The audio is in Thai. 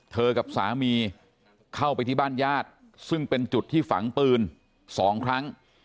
กับสามีเข้าไปที่บ้านญาติซึ่งเป็นจุดที่ฝังปืน๒ครั้ง